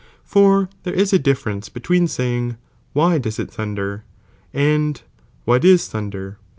For there is a difference between saying, why does it thunder ? and what is thunder?